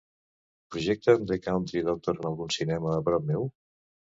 Projecten The Country Doctor en algun cinema a prop meu?